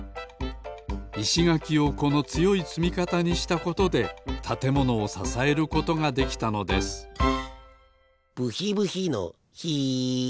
いしがきをこのつよいつみかたにしたことでたてものをささえることができたのですブヒブヒのヒ。